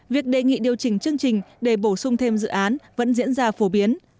việc đề nghị điều chỉnh chương trình để bổ sung thêm dự án vẫn diễn ra phổ biến